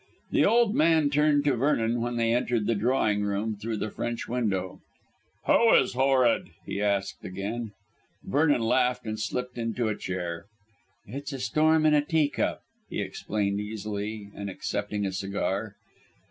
The old man turned to Vernon when they entered the drawing room through the French window. "Who is horrid?" he asked again. Vernon laughed and slipped into a chair. "It's a storm in a tea cup," he explained easily, and accepting a cigar.